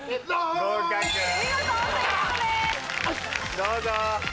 どうぞ。